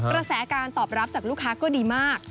กระแสการตอบรับจากลูกค้าก็ดีมาก